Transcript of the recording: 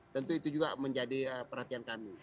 tentu itu juga menjadi perhatian kami